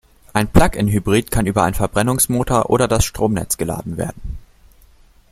Ein Plug-in-Hybrid kann über einen Verbrennungsmotor oder das Stromnetz geladen werden.